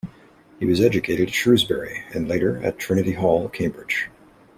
He was educated at Shrewsbury and later at Trinity Hall, Cambridge.